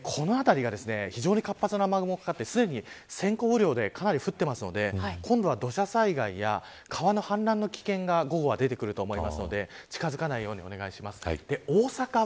この辺りが非常に活発な雨雲がかかってすでに先行雨量でかなり降っているので今度は土砂災害や川の氾濫の危険性が午後出てくると思うので近づかないようにお願いします。